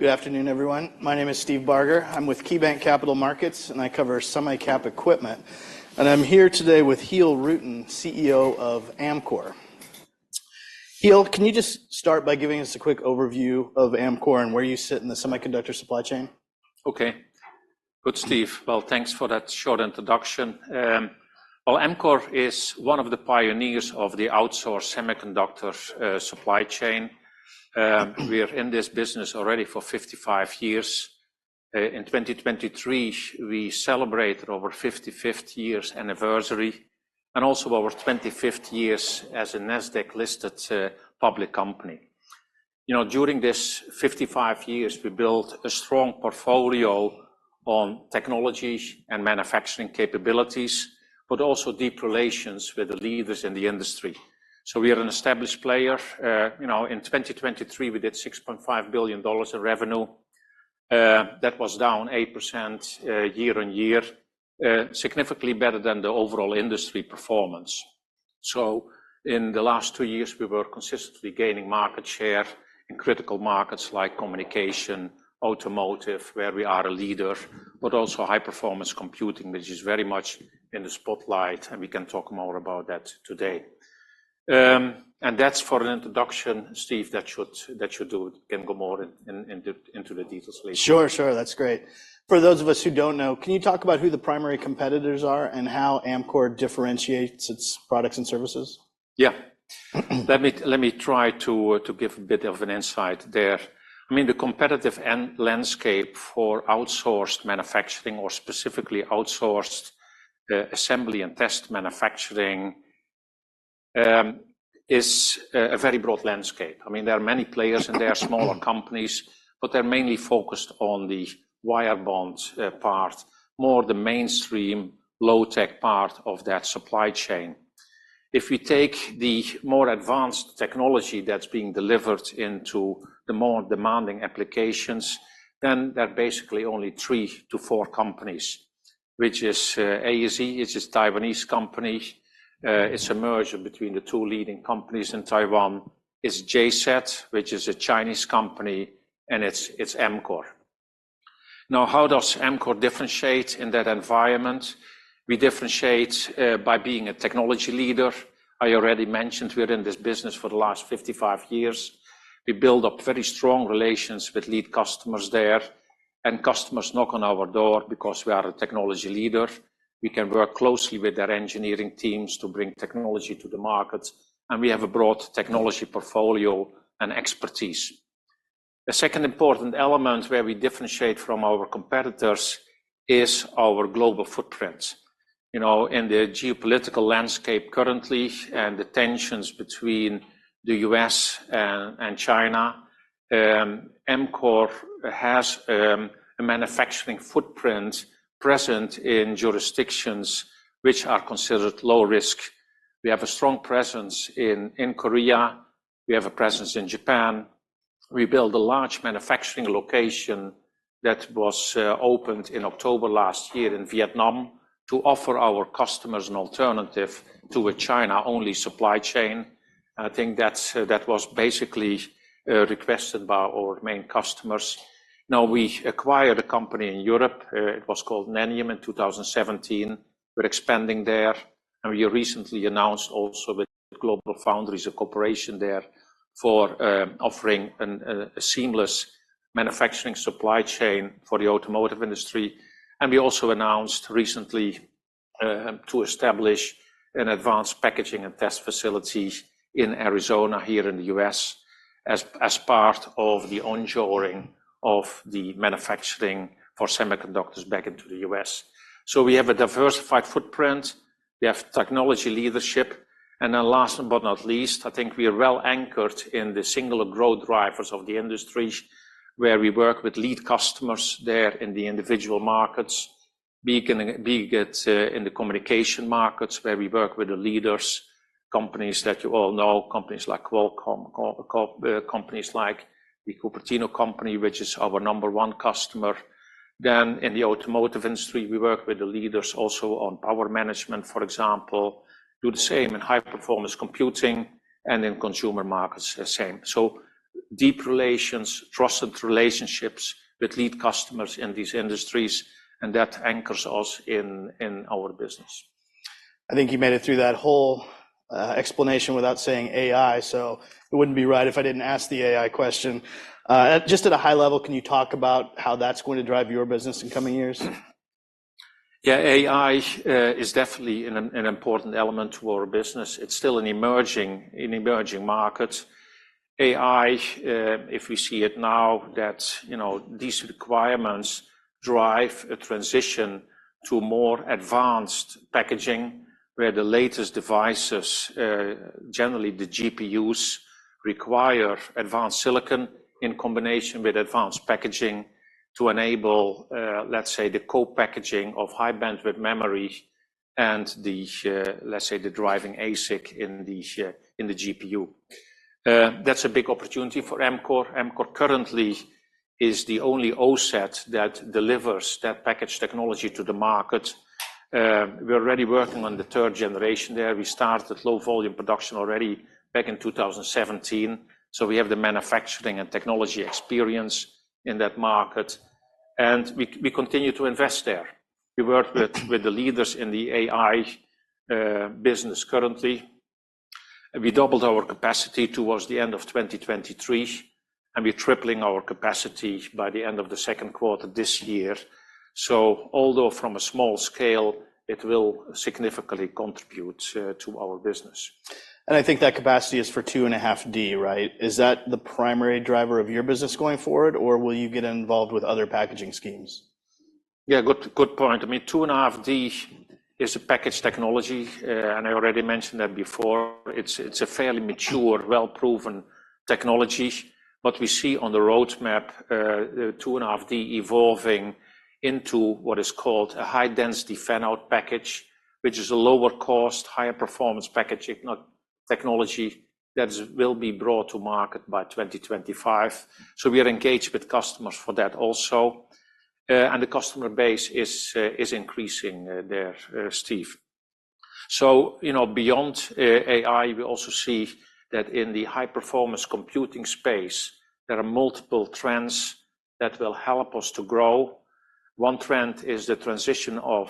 Good afternoon, everyone. My name is Steve Barger. I'm with KeyBanc Capital Markets, and I cover semi-cap equipment. I'm here today with Giel Rutten, CEO of Amkor. Giel, can you just start by giving us a quick overview of Amkor and where you sit in the semiconductor supply chain? Okay. Good, Steve. Well, thanks for that short introduction. Well, Amkor is one of the pioneers of the outsource semiconductors, supply chain. We are in this business already for 55 years. In 2023, we celebrated over 55th year's anniversary and also over 25th years as a Nasdaq-listed, public company. You know, during these 55 years, we built a strong portfolio on technology and manufacturing capabilities, but also deep relations with the leaders in the industry. So we are an established player. You know, in 2023, we did $6.5 billion in revenue. That was down 8%, year-on-year, significantly better than the overall industry performance. So in the last two years, we were consistently gaining market share in critical markets like communication, automotive, where we are a leader, but also high-performance computing, which is very much in the spotlight. And we can talk more about that today. That's for an introduction, Steve. That should do it. We can go more into the details later. Sure. Sure. That's great. For those of us who don't know, can you talk about who the primary competitors are and how Amkor differentiates its products and services? Yeah. Let me let me try to, to give a bit of an insight there. I mean, the competitive landscape for outsourced manufacturing or specifically outsourced assembly and test manufacturing is a very broad landscape. I mean, there are many players, and there are smaller companies, but they're mainly focused on the wire bonds part, more the mainstream low-tech part of that supply chain. If we take the more advanced technology that's being delivered into the more demanding applications, then there are basically only three to four companies, which is ASE. It's a Taiwanese company. It's a merger between the two leading companies in Taiwan. It's JCET, which is a Chinese company, and it's Amkor. Now, how does Amkor differentiate in that environment? We differentiate by being a technology leader. I already mentioned we are in this business for the last 55 years. We build up very strong relations with lead customers there, and customers knock on our door because we are a technology leader. We can work closely with their engineering teams to bring technology to the markets. And we have a broad technology portfolio and expertise. The second important element where we differentiate from our competitors is our global footprint. You know, in the geopolitical landscape currently and the tensions between the U.S. and China, Amkor has a manufacturing footprint present in jurisdictions which are considered low risk. We have a strong presence in Korea. We have a presence in Japan. We built a large manufacturing location that was opened in October last year in Vietnam to offer our customers an alternative to a China-only supply chain. And I think that was basically requested by our main customers. Now, we acquired a company in Europe. It was called Nanium in 2017. We're expanding there. We recently announced also with GlobalFoundries, a collaboration there, for offering a seamless manufacturing supply chain for the automotive industry. We also announced recently to establish an advanced packaging and test facilities in Arizona here in the U.S. as part of the on-shoring of the manufacturing for semiconductors back into the U.S. We have a diversified footprint. We have technology leadership. Then last but not least, I think we are well anchored in the single growth drivers of the industry where we work with lead customers there in the individual markets, beginning in the communication markets where we work with the leaders, companies that you all know, companies like Qualcomm, companies like the Cupertino company, which is our number one customer. Then in the automotive industry, we work with the leaders also on power management, for example, do the same in high-performance computing and in consumer markets, the same. So deep relations, trusted relationships with lead customers in these industries. And that anchors us in our business. I think you made it through that whole explanation without saying AI. So it wouldn't be right if I didn't ask the AI question. Just at a high level, can you talk about how that's going to drive your business in coming years? Yeah. AI is definitely an important element to our business. It's still an emerging market. AI, if we see it now, you know, these requirements drive a transition to more advanced packaging where the latest devices, generally the GPUs, require advanced silicon in combination with advanced packaging to enable, let's say, the co-packaging of high-bandwidth memory and the, let's say, the driving ASIC in the GPU. That's a big opportunity for Amkor. Amkor currently is the only OSAT that delivers that packaged technology to the market. We're already working on the third generation there. We started low-volume production already back in 2017. So we have the manufacturing and technology experience in that market. And we continue to invest there. We work with the leaders in the AI business currently. We doubled our capacity towards the end of 2023. We're tripling our capacity by the end of the second quarter this year. Although from a small scale, it will significantly contribute to our business. I think that capacity is for 2.5D, right? Is that the primary driver of your business going forward, or will you get involved with other packaging schemes? Yeah. Good, good point. I mean, 2.5D is a packaged technology. And I already mentioned that before. It's a fairly mature, well-proven technology. What we see on the roadmap, 2.5D evolving into what is called a high-density fan-out package, which is a lower-cost, higher-performance packaging technology that will be brought to market by 2025. So we are engaged with customers for that also. And the customer base is increasing, there, Steve. So, you know, beyond AI, we also see that in the high-performance computing space, there are multiple trends that will help us to grow. One trend is the transition of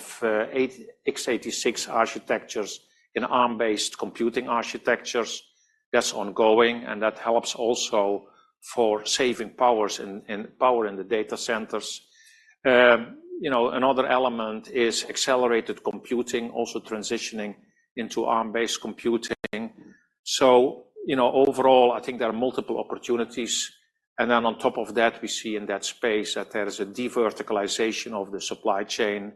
x86 architectures in ARM-based computing architectures. That's ongoing. And that helps also for saving power in the data centers. You know, another element is accelerated computing, also transitioning into ARM-based computing. So, you know, overall, I think there are multiple opportunities. And then on top of that, we see in that space that there is a de-verticalization of the supply chain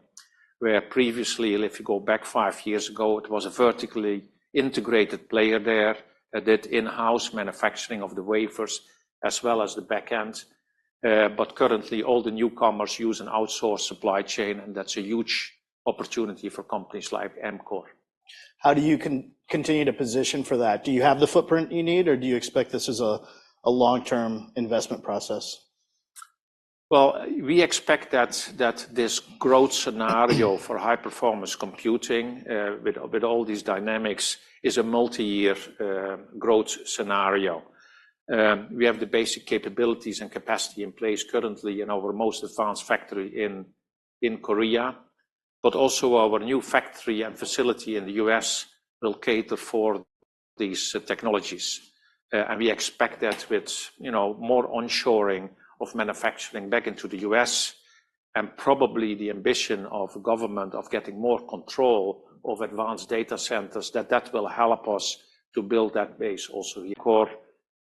where previously, if you go back five years ago, it was a vertically integrated player there that did in-house manufacturing of the wafers as well as the backend. But currently, all the newcomers use an outsourced supply chain. And that's a huge opportunity for companies like Amkor. How do you continue to position for that? Do you have the footprint you need, or do you expect this as a long-term investment process? Well, we expect that, that this growth scenario for high-performance computing, with, with all these dynamics, is a multi-year, growth scenario. We have the basic capabilities and capacity in place currently in our most advanced factory in, in Korea. But also our new factory and facility in the U.S. will cater for these, technologies. We expect that with, you know, more on-shoring of manufacturing back into the U.S. and probably the ambition of the government of getting more control of advanced data centers, that that will help us to build that base also. Amkor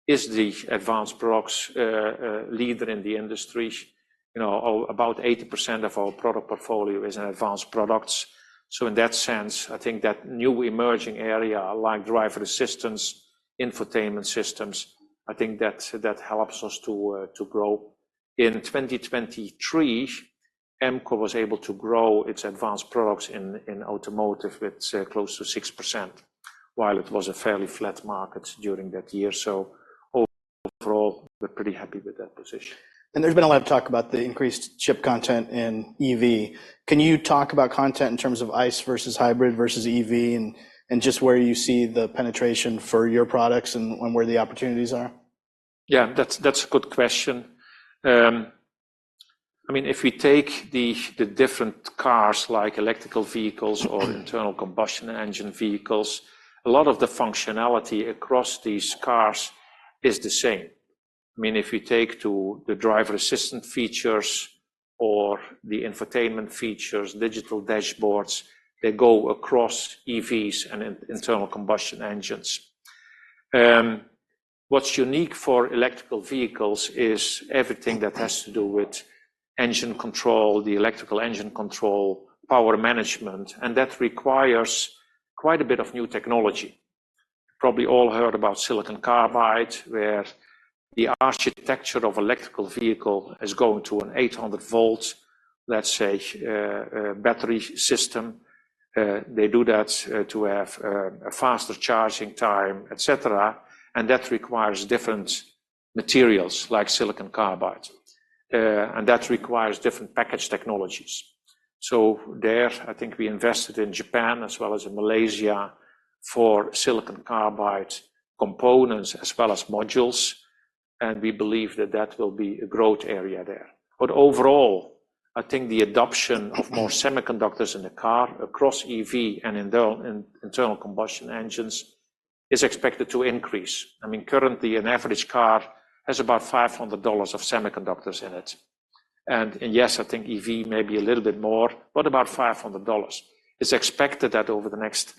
is the advanced products, leader in the industry. You know, oh about 80% of our product portfolio is in advanced products. So in that sense, I think that new emerging area like driver assistance, infotainment systems, I think that, that helps us to, to grow. In 2023, Amkor was able to grow its advanced products in automotive with close to 6% while it was a fairly flat market during that year. So overall, we're pretty happy with that position. There's been a lot of talk about the increased chip content in EV. Can you talk about content in terms of ICE versus hybrid versus EV and, and just where you see the penetration for your products and, and where the opportunities are? Yeah. That's a good question. I mean, if we take the different cars like electric vehicles or internal combustion engine vehicles, a lot of the functionality across these cars is the same. I mean, if you take the driver assistant features or the infotainment features, digital dashboards, they go across EVs and internal combustion engines. What's unique for electric vehicles is everything that has to do with engine control, the electric engine control, power management. And that requires quite a bit of new technology. You probably all heard about silicon carbide where the architecture of electric vehicle is going to an 800-volt, let's say, battery system. They do that to have a faster charging time, etc. And that requires different materials like silicon carbide. And that requires different packaged technologies. So there, I think we invested in Japan as well as in Malaysia for silicon carbide components as well as modules. And we believe that that will be a growth area there. But overall, I think the adoption of more semiconductors in the car across EV and in the internal combustion engines is expected to increase. I mean, currently, an average car has about $500 of semiconductors in it. And yes, I think EV may be a little bit more, but about $500. It's expected that over the next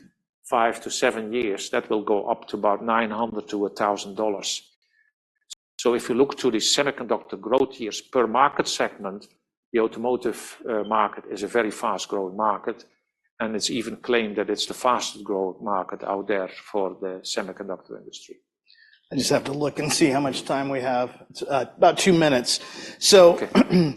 5-7 years, that will go up to about $900-$1,000. So if you look to the semiconductor growth years per market segment, the automotive market is a very fast-growing market. And it's even claimed that it's the fastest-growing market out there for the semiconductor industry. I just have to look and see how much time we have. It's about two minutes. So. Okay.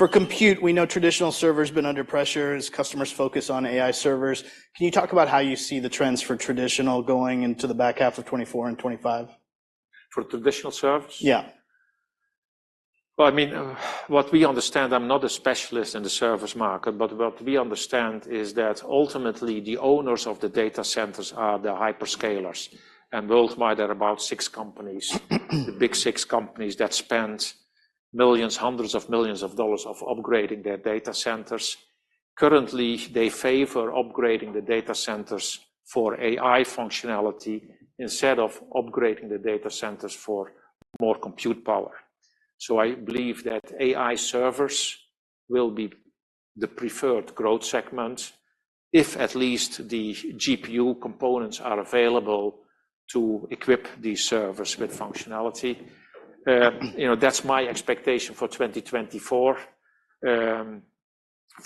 For compute, we know traditional server's been under pressure as customers focus on AI servers. Can you talk about how you see the trends for traditional going into the back half of 2024 and 2025? For traditional servers? Yeah. Well, I mean, what we understand, I'm not a specialist in the servers market, but what we understand is that ultimately, the owners of the data centers are the hyperscalers. And worldwide, there are about six companies, the big six companies that spend $millions, $hundreds of millions of dollars of upgrading their data centers. Currently, they favor upgrading the data centers for AI functionality instead of upgrading the data centers for more compute power. So I believe that AI servers will be the preferred growth segment if at least the GPU components are available to equip these servers with functionality. You know, that's my expectation for 2024.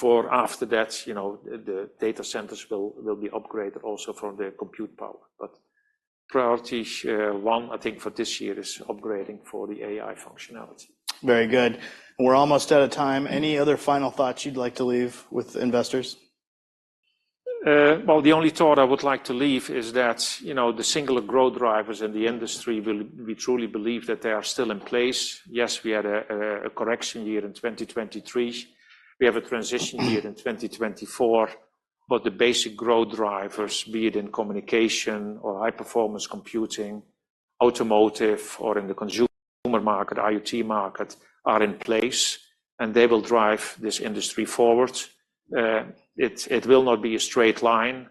For after that, you know, the data centers will be upgraded also from the compute power. But priority one, I think for this year is upgrading for the AI functionality. Very good. We're almost out of time. Any other final thoughts you'd like to leave with investors? Well, the only thought I would like to leave is that, you know, the single growth drivers in the industry will we truly believe that they are still in place? Yes, we had a correction year in 2023. We have a transition year in 2024. But the basic growth drivers, be it in communication or high-performance computing, automotive, or in the consumer market, IoT market, are in place. And they will drive this industry forward. It will not be a straight line.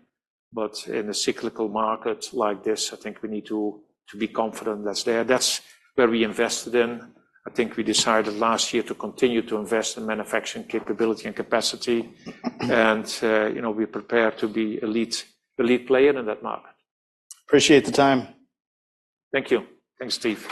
But in a cyclical market like this, I think we need to be confident that's there. That's where we invested in. I think we decided last year to continue to invest in manufacturing capability and capacity. And, you know, we're prepared to be elite player in that market. Appreciate the time. Thank you. Thanks, Steve.